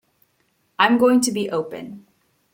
I'm going to be open.